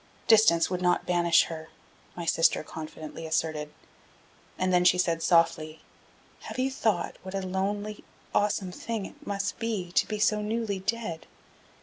"Distance would not banish her," my sister confidently asserted. And then she said, softly: "Have you thought what a lonely, awesome thing it must be to be so newly dead?